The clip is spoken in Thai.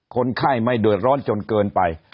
คนไข้ไม่เดือดร้อนจนเกินไป